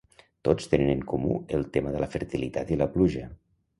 Tots tenen en comú el tema de la fertilitat i la pluja.